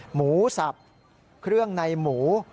หมูสับเครื่องในหมู